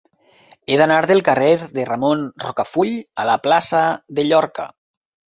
He d'anar del carrer de Ramon Rocafull a la plaça de Llorca.